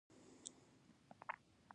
آیا چې خپل هیواد یې جوړ کړ؟